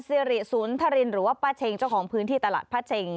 สิริสุนทรินหรือว่าป้าเชงเจ้าของพื้นที่ตลาดพระเช็ง